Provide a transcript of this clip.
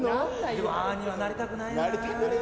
でもああにはなりたくないな。